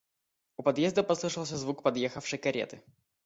У подъезда послышался звук подъехавшей кареты.